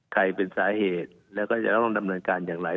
ใครเป็นสาเหตุแล้วก็จะต้องดำเนินการอย่างไร